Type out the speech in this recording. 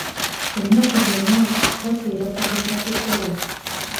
Ennaku zonna bakeera kugenda kukola.